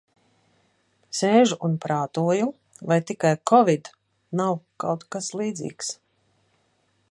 Sēžu un prātoju, vai tikai "Kovid" nav kaut kas līdzīgs.